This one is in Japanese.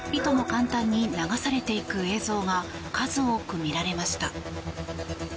簡単に流されていく映像が数多く見られました。